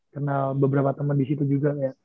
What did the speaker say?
kenal beberapa temen disitu juga ya